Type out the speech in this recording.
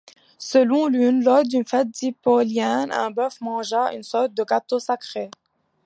Selon l'une, lors d’une fête dipolienne un bœuf mangea une sorte de gâteau sacré.